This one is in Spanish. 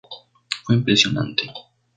Fue impresionante.